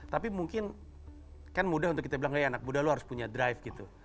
tapi mungkin kan mudah untuk kita bilang anak muda lu harus punya drive gitu